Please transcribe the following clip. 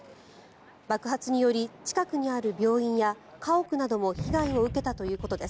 爆発により近くにある病院や家屋なども被害を受けたということです。